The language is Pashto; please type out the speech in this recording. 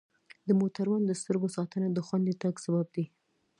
د موټروان د سترګو ساتنه د خوندي تګ سبب دی.